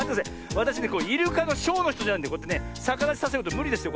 わたしねイルカのショーのひとじゃないんでさかだちさせることむりですよ